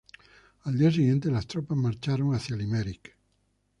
Al día siguiente, las tropas marcharon hacia Limerick.